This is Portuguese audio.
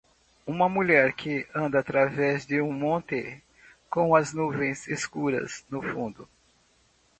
Uma mulher que anda através de um monte com as nuvens escuras no fundo.